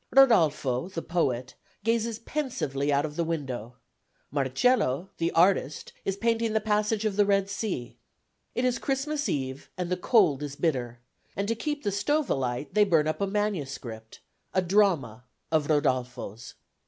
Rodolfo, the poet, gazes pensively out of the window, Marcello, the artist, is painting the passage of the Red Sea. It is Christmas Eve, and the cold is bitter: and to keep the stove alight, they burn up a MS. a drama of Rodolfo's.